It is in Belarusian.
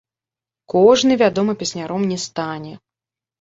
Кожны, вядома, песняром не стане.